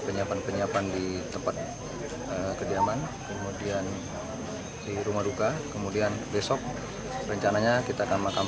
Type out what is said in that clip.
jenasa almarhum dimerangkatkan dari timika dengan pesawat charter dari kodam tujuh belas